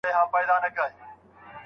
تر څو رسول الله پر شاهد نسي.